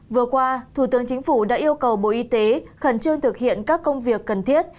vừa qua thủ tướng chính phủ đã yêu cầu bộ y tế khẩn trương thực hiện các công việc cần thiết